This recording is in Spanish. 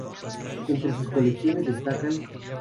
Entre sus colecciones destacan